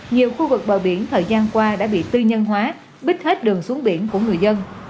nhiều khu vực bờ biển thời gian qua đã bị tư nhân hóa bích hết đường xuống biển của người dân